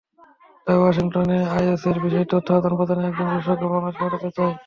তাই ওয়াশিংটন আইএসের বিষয়ে তথ্য আদান-প্রদানে একজন বিশেষজ্ঞ বাংলাদেশে পাঠাতে চায়।